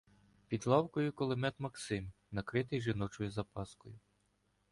Під лавкою кулемет "Максим", накритий жіночою запаскою.